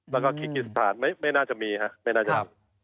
และก็คลิกสถานไม่น่าจะมีครับ